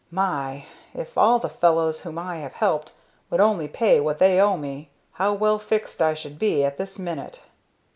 My! if all the fellows whom I have helped would only pay what they owe me, how well fixed I should be at this minute.